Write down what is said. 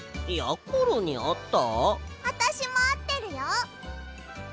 あたしもあってるよほら。